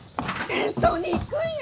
戦争に行くんよ！？